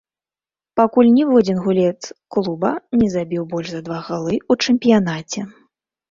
Пакуль ніводзін гулец клуба не забіў больш за два галы ў чэмпіянаце.